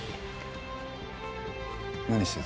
何してた？